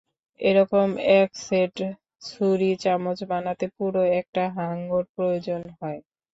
এরকম একসেট ছুড়ি-চামচ বানাতে পুরো একটা হাঙ্গর প্রয়োজন হয়।